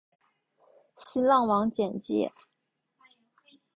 新浪网简介